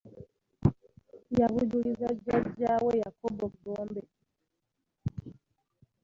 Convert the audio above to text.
Yabujuliza jajjaawe Yakobo Gombe